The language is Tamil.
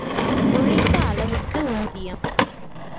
உழைத்த அளவுக்கு ஊதியம்.